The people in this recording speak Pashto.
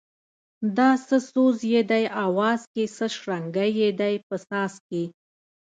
دا څه سوز یې دی اواز کی څه شرنگی یې دی په ساز کی